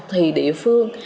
thì địa phương